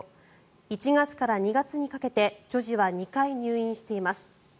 １月から２月にかけて女児は２回入院しています。